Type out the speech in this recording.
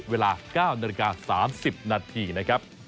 เวลา๙นาฬิกา๓๐นาทีนะครับ